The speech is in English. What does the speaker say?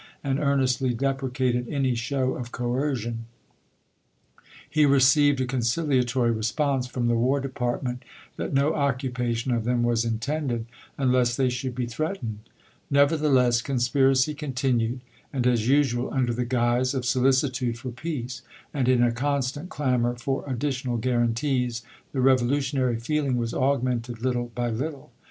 p|k484, ^^^ earnestly deprecated any show of coercion. He received a conciliatory response from the War Department that no occupation of them THE CONFEDERATE MILITARY LEAGUE 247 was intended unless they should be threatened. Nevertheless, conspiracy continued, and as usual, under the guise of solicitude for peace; and, in a constant clamor for additional guarantees, the revolutionary feeling was augmented little by little.